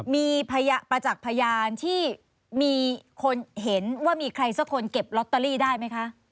มีประจักษ์พยานที่มีคนเห็นว่ามีใครสักคนเก็บลอตเตอรี่ได้ไหมคะ